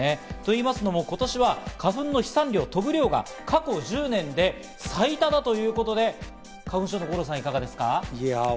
というのも今年は花粉の飛散量、飛ぶ量が過去１０年間で最多だということで、花粉症の五郎さん、いかがですか？